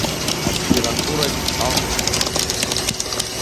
Аспирантура салгахьеит.